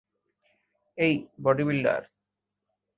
এই, বডিবিল্ডার!